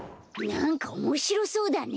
なんかおもしろそうだね。